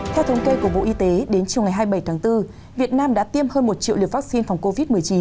theo thống kê của bộ y tế đến chiều ngày hai mươi bảy tháng bốn việt nam đã tiêm hơn một triệu liều vaccine phòng covid một mươi chín